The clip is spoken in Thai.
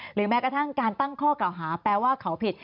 แม้กระทั่งการตั้งข้อเก่าหาแปลว่าเขาผิด